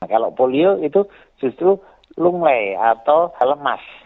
kalau polio itu justru lungle atau lemas